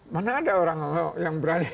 mana ada orang yang berani